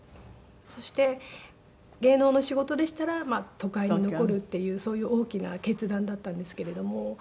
そして芸能の仕事でしたら都会に残るっていうそういう大きな決断だったんですけれども。